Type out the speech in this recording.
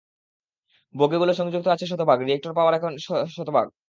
বগিগুলো সংযুক্ত আছে শতভাগ, রিয়েক্টর পাওয়ার এখন শতভাগ!